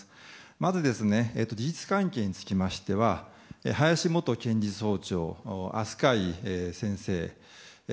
まず、事実関係につきましては林元検事総長飛鳥井先生